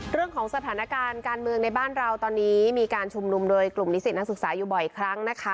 เรื่องของสถานการณ์การเมืองในบ้านเราตอนนี้มีการชุมนุมโดยกลุ่มนิสิตนักศึกษาอยู่บ่อยครั้งนะคะ